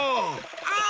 ああ！